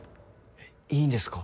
えっいいんですか？